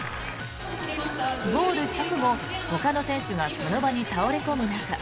ゴール直後ほかの選手がその場に倒れこむ中